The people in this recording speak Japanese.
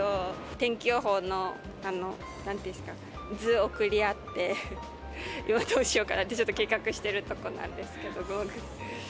天気予報のなんていうんですか、図を送り合って、今、どうしようかなってちょっと計画してるとこなんですけど。